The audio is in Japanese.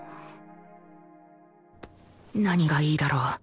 何がいいだろ。